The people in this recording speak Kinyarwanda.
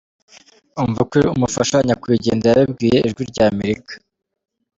Umva uko umufasha wa nyakwigendera yabibwiye Ijwi ry’Amerika.